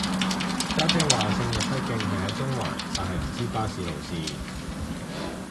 家姐話聖若瑟徑係喺中環但係唔知巴士路線